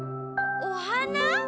おはな？